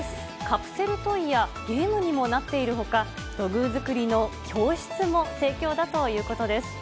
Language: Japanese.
カプセルトイやゲームにもなっているほか、土偶作りの教室も盛況だということです。